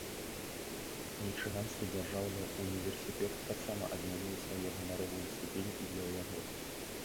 Мічыганскі дзяржаўны ўніверсітэт таксама адмяніў сваю ганаровую ступень для яго.